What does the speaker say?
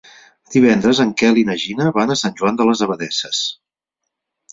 Divendres en Quel i na Gina van a Sant Joan de les Abadesses.